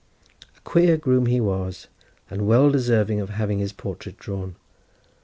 A queer groom he was, and well deserving of having his portrait drawn.